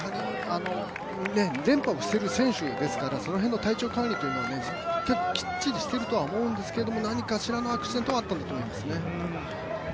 連覇をしている選手ですから、その辺の体調管理というのは結構きっちりしてると思うんですけど、何かしらのアクシデントはあったと思いますね。